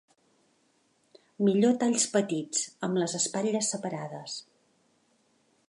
Millor talls petits, amb les espatlles separades.